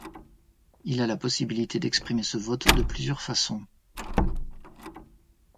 Il a la possibilité d'exprimer ce vote de plusieurs façons.